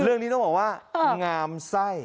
เรื่องนี้ต้องบอกว่างามไส้